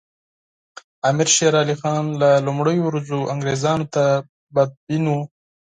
امیر شېر علي خان له لومړیو ورځو انګریزانو ته بدبین وو.